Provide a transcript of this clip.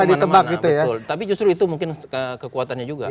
iya dukungan nu bisa kemana mana betul tapi justru itu mungkin kekuatannya juga